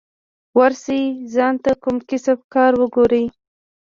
ورسئ ځان ته کوم کسب کار وگورئ.